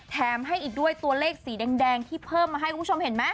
แถมให้อีกด้วยตัวเลขสีแดงที่เพิ่มมาให้คุณผู้ชมเห็นไหม